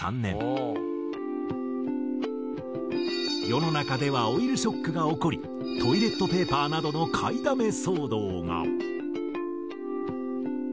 世の中ではオイルショックが起こりトイレットペーパーなどの買いだめ騒動が。